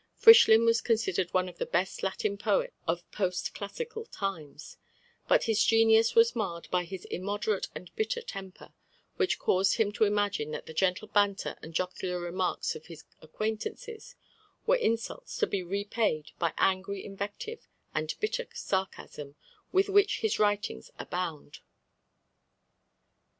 Frischlin was considered one of the best Latin poets of post classical times; but his genius was marred by his immoderate and bitter temper, which caused him to imagine that the gentle banter and jocular remarks of his acquaintances were insults to be repaid by angry invective and bitter sarcasm, with which his writings abound.